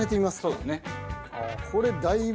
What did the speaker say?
そうですね。